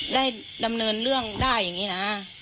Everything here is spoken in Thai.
ดำเนินเรื่องได้อย่างนี้นะ